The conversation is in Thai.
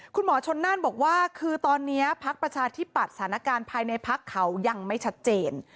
คุณหมอชนน่านบอกว่าคือตอนนี้พักประชาธิปัตย์สถานการณ์ภายในพักเขายังไม่ชัดเจน